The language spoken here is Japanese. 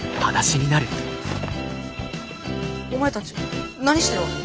お前たち何してるわけ？